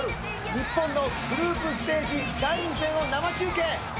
日本のグループステージ第２戦を生中継。